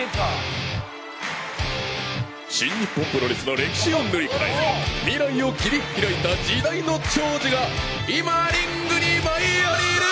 新日本プロレスの歴史を塗り替え未来を切り開いた時代のちょうじが今、リングに舞い降りる。